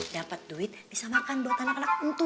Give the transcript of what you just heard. dapat duit bisa makan buat anak anak untuk